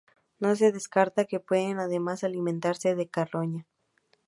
No se descarta que puedan además alimentarse de carroña.